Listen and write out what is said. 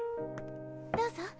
どうぞ。